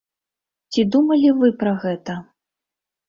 Ці думалі вы пра гэта?